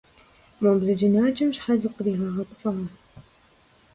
Мо бзаджэнаджэм щхьэ зыкъригъэгъэпцӏа?